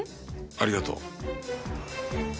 ありがとう。